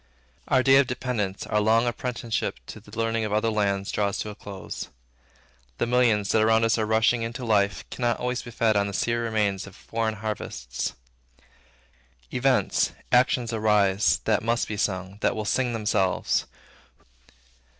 Our day of dependence, our long apprenticeship to the learning of other lands, draws to a close. The millions, that around us are rushing into life, cannot always be fed on the sere remains of foreign harvests. Events, actions arise, that must be sung, that will sing themselves.